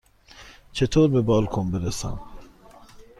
چطور به بالکن برسم؟